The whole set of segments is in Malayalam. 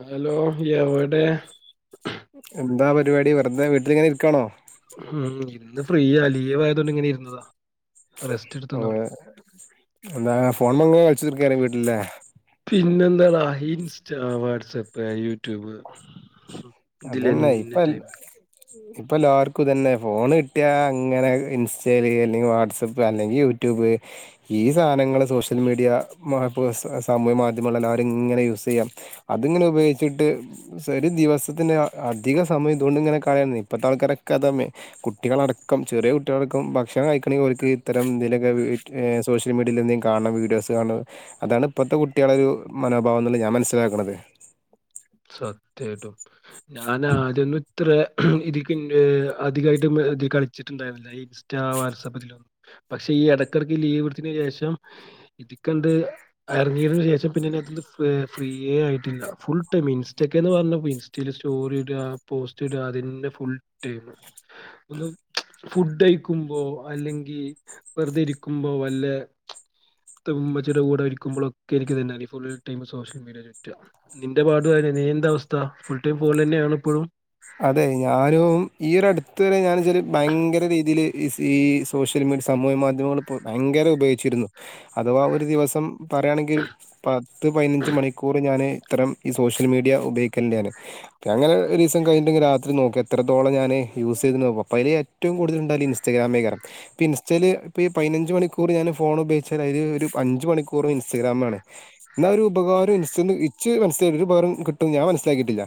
ഹലോ എവടെ എന്താ പരിവാടി വെറുതെ വീട്ടിലിങ്ങനെ ഇരിക്കാണോ ഉം ഇന്ന് ഫ്രീയ ലീവായതുകൊണ്ട് ങ്ങനെ ഇരുന്നതാ റെസ്റ്റ് ഓ എടുത്തന്നള്ളു എന്താണ് ഫോണ് മങ്ങനെ കളിച്ചുർത്ത വീട്ടിലല്ലേ ആഹ ഇൻസ്റ്റ വാട്സപ്പ് യൂറ്റുബ് മ്മ് പ്പ അതന്നെ ഇപ്പ എൽ ഇപ്പ എല്ലാവർക്കും തന്നെ ഫോൺ കിട്ടിയാ അങ്ങനെ ഇൻസ്റ്റല് അല്ലെങ്കിൽ വാട്സആപ്പ് അല്ലെങ്കിൽ യൂട്യൂബ് ഈ സാനങ്ങള് സോഷ്യൽ മീഡിയ മാ പേ സ്‌ സാമൂഹ്യ മാധ്യമങ്ങള എല്ലാവരും ഇങ്ങനെ യൂസ് ചെയ്യാം അതിങ്ങനെ ഉപയോഗിച്ചിട്ട് ഒരു ദിവസ ഇതിനെ അധിക സമയം ഇതൊണ്ട് ഇങ്ങനെ കണയ ഇപ്പോഴത്തെ ആൾക്കാരൊക്കെ അത കുട്ടികളടക്കം ചെറിയ കുട്ടികളടക്കം ഭക്ഷണം കഴിക്കണമെങ്കിൽ ഓൽക്ക് ഇത്തരം എന്തെക്കിലൊക്കെ ഏ സോഷ്യൽ മീഡിയയിൽ എന്തെങ്കിലും കാണണം വീഡിയോസ് കാണണം അതാണ് ഇപ്പോഴത്തെ കുട്ടികള ഒരു മനോഭാവം എന്നുള്ള ഞാൻ മനസ്സിലാക്കുന്നത് സത്യായിട്ടും ഹെ ഹെ ഞാനാ ആദ്യെന്നും ഇത്ര ഇതിക്കിന്റെ അധികായിട്ട് മെ അടിച്ചിട്ടുണ്ടായിരുന്നില്ല ഇൻസ്റ്റ വാട്സആപ്പ് ഇതിലൊന്നും പക്ഷെ ഈ എടക്കടക്ക് ലീവ് എടുത്തിതിനു ശേഷം ഇതികണ്ട് അറങ്ങിയതിനു ശേഷം പിന്നെ അ ഫ്രീയേ ആയിട്ടില്ല ഫുൾ ഇൻസ്റ്റക്കന്ന് പറഞ്ഞ ഇൻസ്റ്റൽ സ്റ്റോറി ഇടുക പോസ്റ്റ് ഇടുക അതിന്റെ ഫുൾ ടൈം ഒ ഫുഡ്ഴിക്കുമ്പോ അല്ലെങ്കിൽ വെറുതെ ഇരിക്കുമ്പോ അല്ല തുമമ്മ ചട കൂടെ ഒരിക്കുമ്പോഴൊക്കെ എനിക്ക് തന്നെയ ഫുൾ ടൈം സോഷ്യൽ മീഡിയറ്റുക എന്റെ പാടു നീ എന്ത അവസ്ഥ ഫുൾ ടൈം ഫോൺ തന്നെയാണ് ഇപ്പോഴും അതെ ഞാനും ഈ ഒരു അടുത്ത് വരെ ഞാൻ ച ഭയങ്കര രീതിൽ ഈ സോഷ്യൽ മീഡിയ സമൂഹ മാധ്യമങ്ങൾ ഇ ഭയങ്കര ഉപയോഗിച്ചിരുന്നു അഥവാ ആ ഒരു ദിവസം പറയുകയാണെങ്കിൽ ഒരു പത്ത് പതിനഞ്ച് മണിക്കൂർ ഞാന് ഇത്തരം ഈ സോഷ്യൽ മീഡിയ ഉപയോഗിക്കലാണ് അങ്ങനെ ഒരു കഴിഞ്ഞെിൽ രാത്രി നോക്കാം എത്തോള ഞാന് യൂ ചെയ്ത് നോക്കും അപ്പോ അതി ഏറ്റവും കൂടുതൽ ഉണ്ടായും ഇസ്റ്റഗ്രാംമേകാരം ഇ ഇൻസ്റ്റയിയില് ഇപ്പ ഈ പതിനഞ്ച് മണിക്കൂർ ഞാൻ ഫോൺ ഉപയോഗിച്ചാൽ അതിൽ ഒരു അഞ്ച് മണിക്കൂറ ഇൻസ്റ്റഗ്രാം ആമാണ് എന്നൽ ഒരു ഉപകാരം ഇസ്റ്റ ഇച്ച് മനസ്സില ഒരു ഉപകം കിട്ടുംന്ന് ഞാൻ മനസിലിട്ടില്ല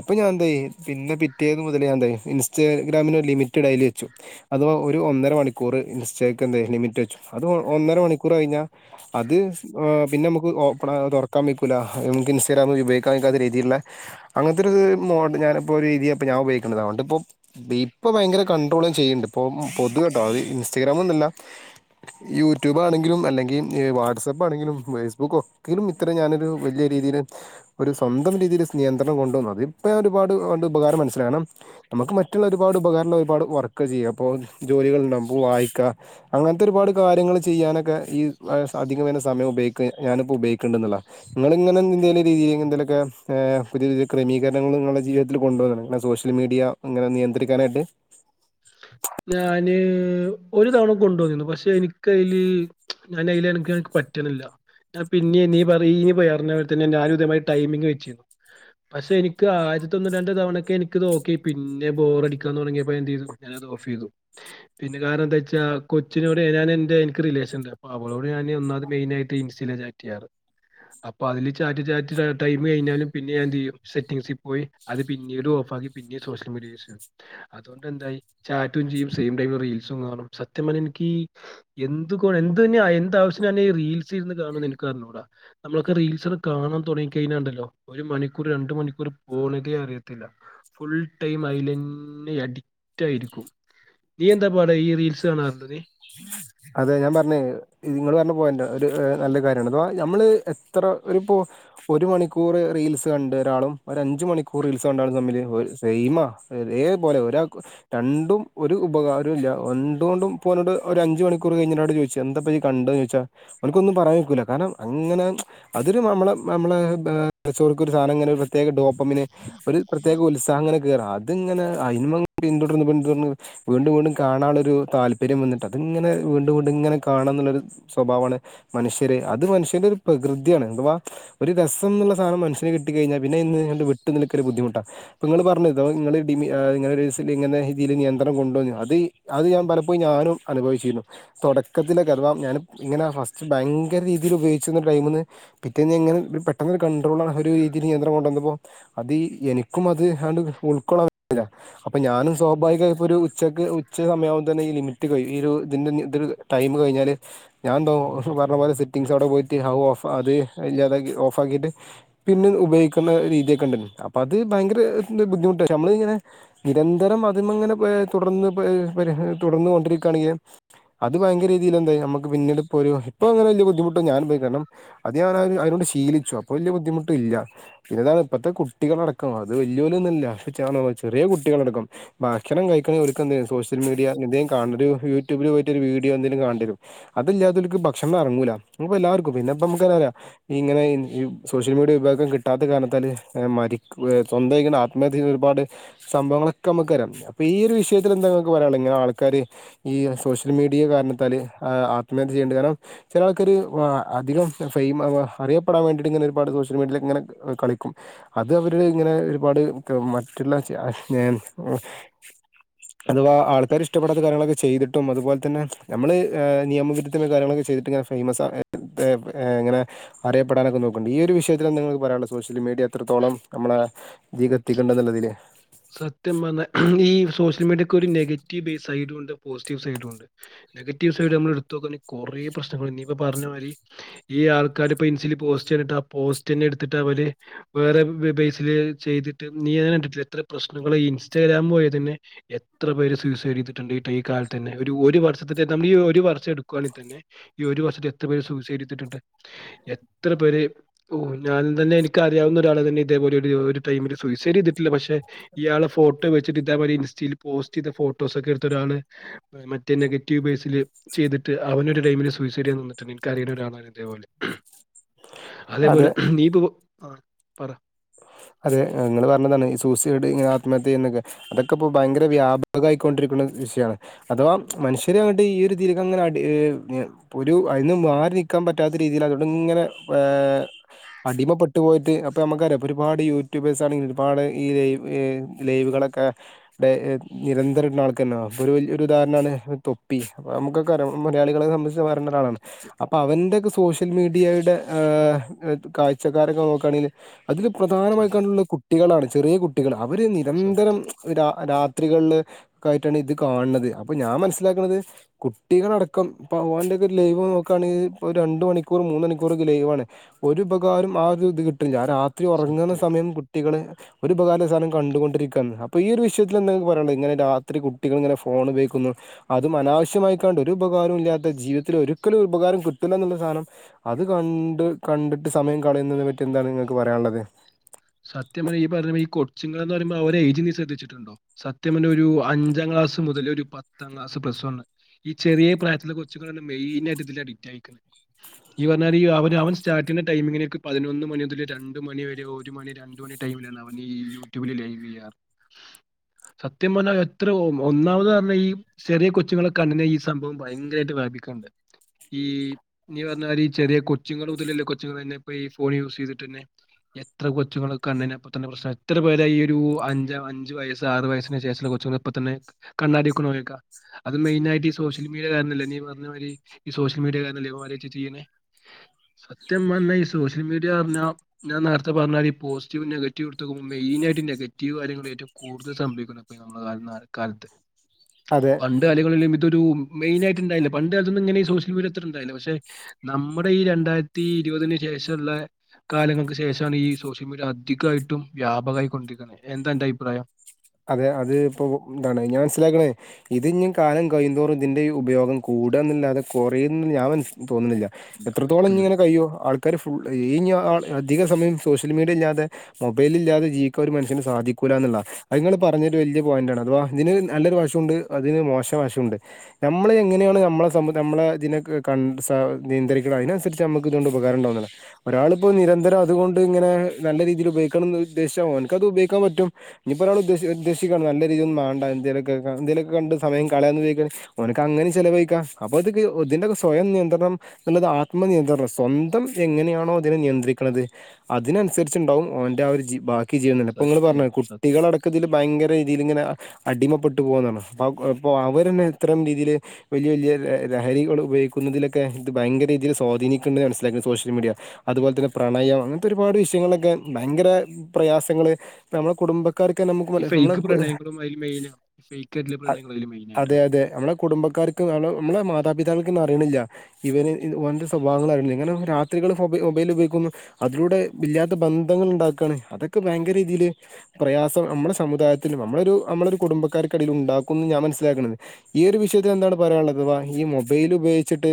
അപ്പൊ ഞാൻ എന്താ പിന്നെ പിറ്റേത് മുതലേ എന്തായ ഇൻസ്റ്റാഗ്രാമിന് ലിമിറ്റഡ് ആയിൽ വെച്ചു അത് ഒരു ഒന്നര മണിക്കൂർ ഇൻസ്റ്റയ്ക്ക് എന്തായ ലിമിറ്റ് വെച്ചു അത് ഒന്നര മണിക്കൂർ കഴിഞ്ഞാ അത് പിന്നെ നമുക്ക് ഓറ കമ്മിക്കല നമുക്ക് ഇൻസ്റ്റാഗ്രാമ ഉപയോഗിക്കാംാിക്കാത്ത രീതിയിലുള്ള അങ്ങനത്തെ ഒരുരു മോഡ് ഞാനൻ ഇപ്പോൊ രീതിപ്പോ ഞാൻ ഉപയോഗിക്കണ്ടത അൊണ്ട് ഇപ്പോ ഇപ്പ ഭയങ്കര കണ്ടട്രോളും ചെയ്യുന്നുണ്ട് ഇപ്പോ പൊതു കേട്ടോ അത് ഇൻസ്റ്റഗ്രാമ ഒന്നുമല്ല യൂട്യൂബ് ആണെങ്കിലും അല്ലെങ്കിൽ വാട്സആപ്പ് ആണെങ്കിലും ഫേസ്ബുക്ക് ഒക്കിലും ഇത്രം ഞാനൊരു വലിയ രീതിയിൽ ഒരു സ്വന്തം രീതിയിൽ നിയന്ത്രണം കൊണ്ടുവന്നു അതി ഇപ്പോൊ ഒരുപാട് ഉപകാരം മനസ്സിലണം നമുക്ക് മറ്റുള്ള ഒരുപാട് ഉപകാര ഒരുപാട് വർക്ക് ചെയ്യാം അപ്പോൾ ജോലികൾ ഉണ്ടാാവും വായിക്ക അങ്ങനത്തെ ഒരുപാട് കാര്യങ്ങൾ ചെയ്യാനൊക്കെ ഈ അധികം വേെ സമയം ഉപയ ഞാനിപ്പോ ഉപയോഗിക്കണ്ട എന്നുള്ള നിങ്ങൾ ഇങ്ങനെ എന്തലും രീതി എന്തെലുമൊക്കെ പുതിയ പുതിയ ക്രമീകരണങ്ങൾങ്ങളത കൊണ്ടന്നെ സോഷ്യൽ മീഡിയ ഇങ്ങനെ നിയന്ത്രിക്കാനായിട്ട് ആഹ ഒരു തവണ കൊണ്ടുവന്നിരുന്നു പക്ഷെ എനിക്ക്തിൽ ഞൻ അൽ എ എനിക്ക് പറ്റണില്ല പിന്നെ നീ പറ ഇനിയ പറഞ്ഞ പോലെ തന്നെ ഞാനും ഉദയമായി ടൈമിംഗ് വെച്ചിരുന്നു പക്ഷെ എനിക്ക് ആയിരത്തൊന്ന് രണ്ട തവണക്കെ എനിക്ക് നോക്കി പിന്നെ ബോർ അടിക്കാന്ന് തുടങ്ങിയപ്പോ എന്ത് ചെയ്തു ഓ്തു പിന്നെ കാരണം എന്താച്ചാ കൊച്ചിനോട് ഞൻ എ എനിക്ക് റിലേഷൻ ഉണ്ട് അ അവളോട് ഞ ഒന്നാത് മെയിൻ ആയിട്ട് ഇൻസ് ചാറ്റ് ചെയ്യാറ് അപ്പൊ അതില് ചാ ടൈ കഴിഞ്ഞാലും പിന്നെ ഞ എന്ത് ചെയ്യും സെറ്റിസിൽ പോയി അത് പിന്നീട് ഓഫ്ാക്കി പിന്ന സോഷ്യൽ മീഡിയ യസ്ും അതുകൊണ്ട് എന്തായി ചാറ്റും ചെയ്യും സെയിം ടൈമ റീൽസും കാണും സത്യം പറ എനിക്ക് എന്ത് എന് തന്നെ എന്താവശ്യത്തിെ റീൽസ് ഇരുന്ന് കാണ എനിക്ക് അറിഞ്ഞൂടാ നമ്മളൊക്കെ റീൽസ കാണാൻ തുടങ്ങിഴിഞ്ഞാണ്ടല്ലോ ഒരു മണിക്കൂർ രണ്ട മണിക്കൂർ പോണതേ അറിയത്തില്ല ഫുൾ ടൈം അെ അഡിക്റ്റ് ആയിരിക്കും നീ എന്താ പാട ഈ റീൽസ് കാണാറുണ്ട്ോ നീ അതെ ഞാൻ പറഞ്ഞേ നിങ്ങ പറഞ്ഞ പോൻറ് ഒരു നല്ല കാര്യമാണ് അഥവാ നഞമ്മൾ എത്ര ഒരുപ്പോൾ ഒരു മണിക്കൂർ റീൽസ് കണ്ട ഒരാളും ഒരഞ്ച് മണിക്കൂർ റീൽസ് കണ്ടാലും തമ്മിൽ സെയിമ ഇതേപോലെ ഒരാൾ രണ്ടും ഒരു ഉപകാരവും ഇല്ല ഒണ്ടുകൊണ്ടും പോകുന്നണ്ട് ഒരു അഞ്ച് മണിക്കൂർ ട് ചോ എന്താത് കണ്ടന്ന് ചാൽ അവക്കൊന്നും പറയാക്ക കാരണം അങ്ങനെ അതൊ ന നമ്മോ പ്പെ ഒരു പ്രത്യേക ഉത്സാഹങ്ങ റ അതിങ്ങനെ ആ സിനമ പിന്തുടർന്ന് പിന്തുടന്ന് വീണ്ടും വീണ്ടും കാണാനുള്ളൊരു താല്പര്യം വന്നിട്ട് അതിങ്ങനെ വീണ്ടും വീണ്ടും ഇങ്ങനെ കാണന്നുള്ളൊരു സ്വഭാവമാണ് മനഷ്യര് അത് മനുഷ്യന്റെ ഒരു പ്രകൃതിയാണ് അഥവാ ഒരു രസം എന്നുള്ള സാധനംനഷ്യന് കിട്ട കഴിഞ്ഞാ പിന്നെ ഇന്ന് വിട്ട് നിക്കൊ ഒരു ബുദ്ധിമുട്ടാണ് ഇപ്പൾ നിങ്ങള് പറഞ്ഞു ഇ നിങ്ങൾ നി ൽ ഇങ്ങന രീതിൽ നിയന്ത്രണം കൊണ്ടുവന്നു അത് അത് ഞാൻ പലപ്പോും ഞാനും അനുഭവിച്ചിരുന്നു തുടക്കത്തില ഗറവാ ഞാൻ ഇങ്ങനെ ഫസ്റ്റ് ഭയങ്കര രീതിയിൽ ഉപയോഗിക്കരുന്ന ഒരു ടൈമന്ന് പിറ്റേഞ ഇനെ പെട്ടെന്ന് ക ടോള ഒരു രീതിൽ നിയം കൊണ്ടുവന്നപ്പോൾ അത് എനിക്കും അത് അ ഉൾക്കൊള്ളല്ല അപ്പൊ ഞാനും സ്വാഭാവികമായി ഇപ്പോൊ ഒരു ഉച്ചക്ക് ഉച്ച സമയക്പ തന്നെ ഈ ലിമിറ്റ് കഴ അതിൻ്റെ ഇതൊരു ടൈം കഴിഞ്ഞാ ഞൻ എന്തോ പറഞ്ഞ പോലെ സെറ്റിംഗങ്സ് അവിടെ പോയിട്ട് ഹൗ ഓഫ് അത് ഇല്ലാതാക്കി ഓഫ് ആക്കിയിട്ട് പിന്നെ ഉപയോഗിക്കുന്ന രീതിയൊക്കെ ഉണ്ടരുന്നു അപ്പോൾ അത് ഭയങ്കര ബുദ്ധിമുട്ട്ക്ഷേ നമ്മളിങ്ങനെ നിരന്തരം അത അങ്ങനെ തുടർന്ന് തുടർന്ന കൊണ്ടിരിക്കുകയാണെങ്കിൽ അത് ഭയങ്കരീതിയിൽ എന്തായ നമുക്ക് പിന്നീട് ഇപ്പോ ഒരു ഇപ്പോ അങ്ങനെ വലിയ ബുദ്ധിമുട്ട് ഞാൻ പോയി കാരണം അത് ഞാന അതിനോട് ശീലിച്ചു അപ്പൊ വലിയ ബുദ്ധിമുട്ട ഇല്ല പിന്നെതാണ് ഇപ്പഴത്തെ കുട്ടികളടക്കം അത് വലിയ വലിയന്നുമല്ല പക്ഷ ചെറിയ കുട്ടികളടക്കം ഭക്ഷണം കഴിക്കണിൽർും എന്ത സോഷ്യൽ മീഡിയ എന്ത കാണ ട്യൂബ പോയിട്ട ഒരു വീഡിയോ എന്തങ്കലും കണ്ട വരും അതല്ലാത്തവർക്ക് ഭക്ഷണം ഇറങ്ങൂല അ എല്ലാവർക്കും പിന്നെപ്പ നമുക്ക്റാം ഇങ്ങനെഈ സോഷ്യൽ മീഡിയ വിഭാഗം കിട്ടാത്ത കാരാലാ മ സ്വന്തം ഇങ്ങനെ ആത്മഹത്യ ചെയ്യുന്ന ഒരുപാട് സംഭവങ്ങളൊക്കെ നമുക്ക് വരാം അപ്പൊ ഈയ ഒരു വിഷയത്തിൽ എന്താക്ക് പറയാനുള്ളോ ഇങ്ങനെ ആൾക്കാർ ഈ സോഷ്യൽ മീഡിയെ കാരണത്തൽ ആത്മഹത്യ ചെയ്യേണ്ടത് കാരണം ചിലൾക്കൊരു അധികം ഫ അറിയപ്പെടാൻ വേണ്ടിയിട്ട് ഇങ്ങനെ ഒരുപാട് സോഷ്യൽ മീഡിയയിൽ ഇങ്ങനെ കളിക്കും അത് അവര് ഇങ്ങനെ ഒരുപാട് മറ്റുള്ള അഥവാ ആൾക്കാർ ഇഷ്ടപ്പെടാത്ത കാര്യങ്ങളൊക്കെ ചെയ്തിട്ടും അതുപോലെ തന്നെ നമ്മള് നിയമവിരുദ്ധമായ കാര്യങ്ങളൊക്കെ ചെയ്തിട്ട് ഇങ്ങനെ ഫേമസ് ആ ഇങ്ങനെ അറിയപ്പെടാനൊക്കെ നോക്കുന്നുണ്ട് ഈ ഒരു വിഷയത്തില നിങ്ങൾക്ക് പറയാനുള്ളോ സോഷ്യൽ മീഡിയ എത്രത്തോളം നമ്മളെ എത്തിക്കേണ്ട എന്നുള്ളതിൽ സത്യം പറഞ്ഞാൽ ഈ സോഷ്യൽ മീഡിയക്ക് ഒരു നെഗറ്റീവ് സൈഡും ഉണ്ട് പോസിറ്റീവ് സൈഡും ഉണ്ട് നെഗറ്റീവ് സൈഡ് നമ്മൾ എടുത്ത നോക്കണ കൊറെേ പ്രശ്നങ്ങണ്ട് നീയിപ്പ പറഞ്ഞ മാതിരി ഈ ആൾക്കാാര് പെൻസിില് പോസ്റ്റ്ിട്ട് ആ പോസ്റ്റ് തന്നെ എടുത്തിട്ട് അവ വേറെ ബേസിില് ചെയ്തിട്ട് നീ അങ്ങെ കണ്ടിട്ടില്ല എത്ര പ്രശ്നങ്ങൾഈ ഇൻസ്റ്റാഗ്രാം പോലെ തന്നെ എത്ര പേര് സൂസൈഡ് ചെയ്തിട്ടുണ്ട് ഈ കാലത്ത് തന്നെ ഒരു ഒരു വർഷത്തെ നമ്മൾ ഈ ഒരു വർഷം എടുക്കുവാണെങ്ക തന്ന ഈ ഒരു വർഷത്തെ എത്ര പേര് സൂസൈഡ് ചെയ്തിട്ടുണ്ട് എത്ര പേര് ഓ ഞാൻ തന്നെ എനിക്ക് അറിയാവുന്ന ഒരാളെ തന്നെ ഇതേപോലെ ഒരു ടൈമില് സൂസൈഡ് ചെയ്തിട്ടില്ല പക്ഷെ ഇയാള് ഫോട്ടോ വെച്ചിട്ട് ഇതേ മതി ഇൻസ്റ്റയിൽ പോസ്റ്റ് ചെയ്ത ഫോട്ടോസ് ഒക്കെ എടുത്ത ഒരാള് മറ്റേ നെഗറ്റീവ് ബേസിില് ചെയ്തിട്ട് അവനൊരു ടൈമില് സൂസൈഡ് ചെയ് തന്നിട്ടുണ്ട് എനക്ക് അറിയുന്ന ഒരാളാണ് ഇതേപോലെ അതേപോലെ അതെ ദീപ് ആ പറ അതെ നിങ്ങൾ പറഞ്ഞതാണ് സൂസൈഡ് ആത്മഹത്യ എന്നൊക്കെ അതൊക്കെ ഇപ്പ ഭയങ്കര വ്യാപകായിക്കൊണ്ടിരിക്കുന്ന വിഷയാണ് അഥവാ മനുഷ്യരെ അങ്ങോട്ട് ഈ ഒരു രീതി അങ്ങനെ അടി ഒരു അതിന്ന് മാറി നൽക്കാൻ പറ്റാത്ത രീതിയിൽ അതോട ഇങ്ങനെ ഏ അടിമപ്പെട്ടു പോയിട്ട് അപ്പോ നമുക്കറിയാ അപ്പോ ഒരുപാട് യൂട്യൂബേഴ്സ് ആണെങ്കിലുംഒരുപാട് ഈ ലൈവ് ലൈവുകളൊക്കെ നിരന്തരം [unintelligible] അപ്പോൾ ഒരു വലിയ ഒരു ഉദാരണമാണ് തൊപ്പി അപ്പോൾ നമുക്കക്കെറിയാം. മലയാളികളെ സംബന്ധിച്ച് പറയണ ഒരാളാണ് സത്യം. അപ്പോൾ അവൻ്റെയൊക്കെ സോഷ്യൽ മീഡിയയുടെ ഏ കാഴ്ചക്കാരൊക്കെ നോക്കുകയാണെങ്കിൽ അതിൽ പ്രധാനമായി അതെ. കണ്ടുള്ള കു കുട്ടികളാണ് ചെറിയ കുട്ടികള് അവർ നിരന്തരം സത്യം. ഒരാ രാത്രികളിൽ ഒക്ക ആയിട്ടാണ് ഇത് കാണുന്നത് അപ്പൊ ഞാൻ മനസ്സിലാക്ക്ണത് കുട്ടികളടക്കം [unintelligible] ഒക്കെ ലൈവ് നോക്കുകയാണെങ്കിൽ ഒരു രണ്ട് മണിക്കൂർ മൂന്ന് മണിക്കൂറൊക്കെ ലൈവാണ് ഒരു ഉപകാരം ആ ഒരു ഇത് കിട്ട്ണ്ല്ല. ആ രാത്രി ഈ ഉറങ്ങുന്ന സത്യായിട്ടും. സമയം കുട്ടികളെ ഒരു ഉപകാര സാധനം കണ്ടുകൊണ്ടിരിക്കുകയാണ് അപ്പൊ ഈ ഒരു വിഷയത്തിൽ എന്തെ പറയാനുള്ളത് ഇങ്ങനെ രാത്രി കുട്ടികൾ ഇങ്ങനെ ഫോൺ ഉപയോഗിക്കുന്നു അതും അനാവശ്യമായിക്കാണ്ട് ഒരു ഉപകാരം ഇല്ലാത്ത ജീവിതത്തിൽ ഒരിക്കലും ഉപകാരം കിട്ടില്ല എന്നുള്ള സാധനം അത് കണ്ട് കണ്ടിട്ട് സമയം കളയുന്നതിനെ പറ്റി എന്താണ് നിങ്ങൾക്ക് പറയാനുള്ളത് വെ സത്യപറഞാ ഈ പറ കൊച്ചുങ്ങൾ പറഞ്ഞാൽ അവരുടഎയ്ച്ച് നീ ശ്രദ്ധിച്ചുട്ടുണ്ടോ സത്യ പറഞ്ഞാ ഒരു അഞ്ചാം ക്ലാസ് മുതൽ ഒരു പത്താം ക്ലാസ് ഒരു പ്ലസ് വൺഈ ചെറിയ പ്രായുള്ള കൊച്ചുങ്ങളാണ് മെയിൻായിയിട്ട് ഇതി അഡിറ്റ്യിക്കുന്നത് ഈ പറഞ്ഞാല് അവ അവൻ സ്റ്റാർട്ട് ചെയ്യുന്ന ടൈമിങ്ങിന ഒരുപതിനൊന്ന് മണി മുതൽ രണ്ട മണിവരെ ഒരു മണി രണ്ട്മണി ടൈം വരെഅവഈ യൂട്യൂബിൽ ലൈവ് ചെയ്യ സത്യം പറഞ്ഞാൽ എത്ര ഒന്നാമത് പറഞ്ഞാൽ ഈ ചെറിയ കൊച്ചുങ്ങളെ കണ്ടെ ഈ സംഭവം ഭയങ്കരമായിട്ട് വ്യാപിക്കാണ്ട് ഈ ഇ പറഞ്ഞാല് ഈ ചെറിയ കൊച്ചുങ്ങൾ മുതലുള്ള കൊച്ചുങ്ങൾെ ഇപ്പ ഈ ഫോൺ യൂസ് ചെയ്തിട്ട്ന്നെ എ ഇത്ര കൊച്ചങ്ങനിപ്പോ തന്നെ പ്രശ്നം എത്ര പേരാ ഈ ഒരു അഞ്ച് അഞ്ച് വയസ്സ് ആറ് വയസുള്ള കൊച്ചുൾ ഇപ്പ തന്നെ കണ്ണാടിക്കെ നോക്കാം അത് മെയിനായിയി് ഈ സോഷ്യൽ മീഡിയ കാരണമല്ലെ നീ പറഞ്ഞമാതിരിഈ സോഷ്യൽ മീഡിയ കാരണമല്ലെ ഇവൻ മാരിത് ചെയ്യുന്നെസത്യപറഞ്ഞാ ഈ സോഷ്യൽ മീഡിയ പറഞ്ഞാ ഞൻ നാ എത്ത്പറഞ്ഞാൽ ഈ പോസിറ്റീവ് നെഗറ്റീവ് എടുക്കുമ്പോ മെയിനായിയിട്ട് നെഗറ്റീവ് കാര്യങ്ങൾ ഏറ്റവും കൂടുതൽ സംഭവിക്കുന്ന [unintelligible] കാലത്ത് അതെ പണ്ട് [unintelligible] ഇതരു മെയിൻ ആയിട്ട്ണ്ടായില്ല പണ്ട് കാലത്തന്നുംഇങ്ങനെ സോഷ്യൽ മീഡിയ ഇത്ര ഉണ്ടായില്ല പക്ഷെ നമ്മുടെ ഈ രണ്ടായിരത്തി ഇരുപതിനന് ശേഷമുള്ള കാലങ്ങൾക്ക് ശേഷം ഈ സോഷ്യൽ മീഡിയ അധികമായിട്ടും വ്യാപകായി കൊണ്ടിരിക്കുന്നത് എന്താ അന്റെ അഭിപ്രായം അതെ അത് ഇപ്പോന്താണ്ഞാൻ മനസ്സിലാക്കണെ ഇത് ഞ്ഞ് കാലം കഴിയുന്തോറും ഇതിന്റ ഉപയോഗം കൂടാന്നല്ലതെ കുറയുമെന്ന്ഞാൻ തോന്നുന്നില്ല ഇല്ല എത്രത്തോളം ഇനി ഒരിക്കലും ഇല്ല. ഇങ്ങനെ കഴിയ്യോ ആൾക്കാര് ഫു ഈ ഞാൻ ആ അധിക സമയം സോഷ്യൽ മീഡിയ ഇല്ലാതെ മൊബൈൽ ഇല്ലാതെ ജീവിക്കാൻ ഒരു മനുഷന് സാധിക്കൂല എന്നുള്ളതാ അത് ങ്ങൾപറഞ്ഞൊരു വലിയ പോയിന്റാണ്അഥവാ ഇതിന് നല്ലൊരു വശമുണ്ട് അതിന് മോശ വശമുണ്ട് നമ്മൾ എങ്ങനെയാണ് നമ്മളെ നമ്മളെ ഇതിനെ ക സ നിയന്ത്രിക്കണം അതിനനുസരിച്ച് നമുക്ക് ഇതുകൊണ്ട് ഉപകാരണ്ട് തോന്നുന്നത് ഒരാളിപ്പോൾ നിരന്തരം അതുകൊണ്ട് ഇങ്ങനെ നല്ല രീതിയിൽ ഉപയോഗിക്കണംന്ന് ഉദ്ദേശിച്ചാ ഓൻകത് ഉപയോഗിക്കാൻ പറ്റും ഇനിയിപ്പോരാള്ഉദ്ദേ ഉദ്ദേശിക്കണം നല്ല രീതിൽ ഒന്നുവാണ്ട എന്തേലൊക്കെ എന്തേലൊക്കെ കണ്ട് സമയം കളയന്ന് വിചാരി അവനങ്ങനെയും ചെലവഴിക്കാം അപ്പൊ അത ഇതിന്റെ സ്വയം നിയന്ത്രണം നല്ലത് ആത്മനിയന്ത്രണം സ്വന്തം എങ്ങനെയാണോ ഇതിനെ നിയന്ത്രിക്കണുന്നത് അതിനനുസരിച്ചുണ്ടാവും അവന്റെരു ആ ഒരു [unintelligible] ീവില്ല അപ്പ നിങ്ങങ്ങള് പറഞ്ഞ സത്യം സത്യം കുട്ടികളടക്കം ഇതുന്നു ഭയങ്കര രീതിൽ ഇങ്ങനെ അടിമപ്പെട്ടു പോകന്നാണ്. അ അപ്പോ അവരന്നെ ഇത്രം രീതിയിൽ വലിയ വലിയ ലഹരികൾ ഉപയോഗിക്കുന്നതിലൊക്കെ ഇത് ഭയങ്കരീതിൽ സ്വാധീനിക്കുന്നു മനസ്സിലാക്കുന്നു സോഷ്യൽ മീഡിയ അതുപോലെ തന്നെ പ്രണയം അങ്ങനത്തെ ഒരുപാട് വിഷയങ്ങളൊക്കെ ഭയങ്കര പ്രയാസങ്ങള് നമ്മളുടെ കുടുംബത്തി ഈ ഫൈയ്ക്ക് പ്രണയങ്ങളും അതില് മൈനാ ഫൈക്കായിട്ടുള്ള പ്രണയങ്ങളും അതില് മെയിനായിട്ടാ കുടുംബക്കാർക്കും അ നമ്മളെ മാതാപിതാക്കൾക്കൊന്നുംറിയണില്ല ഇവന്ഓൻന്റെ സ്വഭാവങ്ങൾ അറിയണില്ല ഇങ്ങനെ രാത്രികള് മൊബൈ മൊബൈൽ ഉപയോഗിക്കുന്നു അതിലൂടെ ഇല്ലാത്ത ബന്ധങ്ങൾ ഉണ്ടാക്കുകയാണ് അതൊക്കെ ഭയങ്കര രീതിയില് പ്രയാസം നമ്മുടെ സമുദായത്തിലും നമ്മളരു നമ്മളെ കുടുംബക്കാർക്കിടയിൽ ഉണ്ടാക്കുംന്ന് ഞാൻ മനസ്സിലാക്കുന്നത് ഈ ഒരു വിഷയത്തി എന്താണ് പറയാനുള്ളത്. ഈ മൊബൈൽ ഉപയോഗിച്ചിട്ട്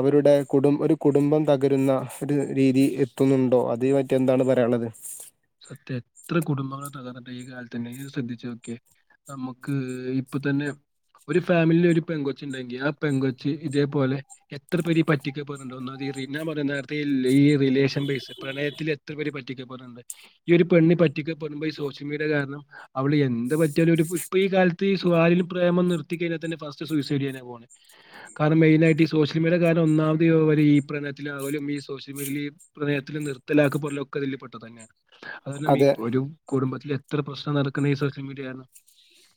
അവരുടെ കുടും ഒരു കുടുംബം തകരുന്ന ഒരു രീതി എത്തുന്നുണ്ടോ അത് പറ്റി എന്താണ് പറയാനുള്ളത് സത്യ എത്ര കുടുംബങ്ങൾ തകർണ്ട് ഈ കാല തന്നെ ഇയ്യ്ശ്രദ്ധിച്ചു നോക്കെ നമുക്ക് ഇപ്പൊ തന്നെ ഒരു ഫാമിലി ഒരു പെൺ കൊച്ച് ഉണ്ടെങ്കിൽ ആ പെൺ കൊച്ച് ഇതേപോലെ എത്ര പേരെ പറ്റിക്കപെടുന്നുണ്ട്. ഒന്നാക [unintelligible] നേരത്തെ ഈ റിലേഷൻ ബേസ് പ്രണയത്തിൽ എത്രപേരെ പറ്റിക്കപെടുന്നുണ്ട്. ഈ ഒരു പെണ്ണി പറ്റിക്കപ്പെുമ്പോ ഈ സോഷ്യൽ മീഡിയ കാരണം അവള് എന്തന്ത് പറ്റിയാലും ഇപ്പൊ ഈ കാലത് [unintelligible] പ്രേമം നിർത്തി കഴിഞ്ഞാൽ തന്നെ ഫസ്റ്റ് സൂസൈഡ് ചെയ്യാന പോകണ് കാരണം മെയിനായിട്ട് ഈ സോഷ്യൽ മീഡിയ കാരണം ഒന്നാമത്ഈ പ്രണയത്തിലും അലും ഈ സോഷ്യൽ മീഡിയൽ ഈ പ്രയത്തിലൽ നിർത്തലാക്ക പോലും ഒക്കെ ഇതിൽ പ്പെട്ടത് തന്നെയാണ് [unintelligible] അതെ ഒരു കുടുംബത്തി ഇത്ര പ്രശ്ന നടക്കുണെ ഈ സോഷ്യൽ മീഡിയാകാരണം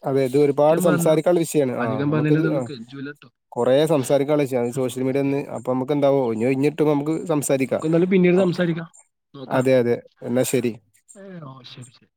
അതെ ഇത് ഒരുപാട് സംസാരിക്കാനുള്ള വിഷയമാണ് ആ അധികം നമുക്ക് ഇത് ആ പറഞ്ഞതിനകത്തൊന്നും കെഞ്ചൂലട്ടോ കൊറെ സംസാരിക്കാനുള്ള വിഷയം അത് ഉം സോഷ്യൽ മീഡിയൽ അതെ നിന്ന് അതെ അപ്പൊ നമുക്ക് എന്താവോ ഇഞ് ഒഴിഞ്ട്ടുമ്പോൾ നമുക്ക് സംസാരിക്കാം നമുക്ക് എന്തായാലും പിന്നീട് അ സംസാരിക്കാം നോക്കാം അതെ അതെ എന്നാ ശരി. ഏ ഓ ശരി ശരി